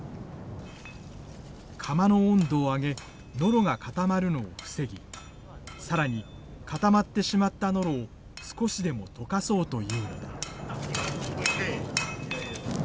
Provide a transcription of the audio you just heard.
釜の温度を上げノロが固まるのを防ぎ更に固まってしまったノロを少しでも溶かそうというのだ。